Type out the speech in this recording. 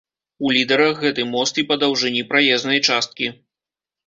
У лідэрах гэты мост і па даўжыні праезнай часткі.